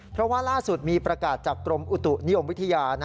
เพราะว่าล่าสุดมีประกาศจากกรมอุตุนิยมวิทยา